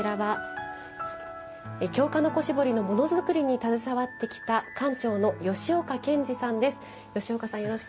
京鹿の子絞りのものづくりに携わってきた館長の吉岡健治さんです。